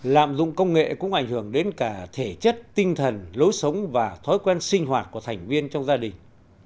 lạm dụng công nghệ cũng ảnh hưởng đến cả thể chất tinh thần lối sống và thói quen sinh hoạt của thành viên trong gia đình